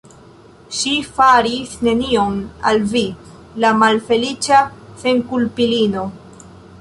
Ŝi faris nenion al vi, la malfeliĉa senkulpulino.